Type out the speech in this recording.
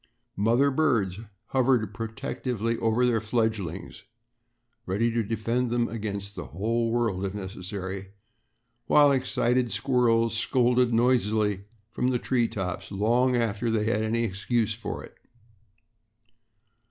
Mother birds hovered protectingly over their fledglings, ready to defend them against the whole world if necessary, while excited squirrels scolded noisily from the treetops long after they had any excuse for it.